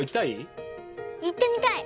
いってみたい！